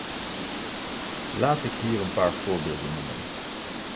Laat ik hier een paar voorbeelden noemen.